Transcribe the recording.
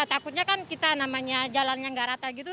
takutnya kan kita namanya jalannya nggak rata gitu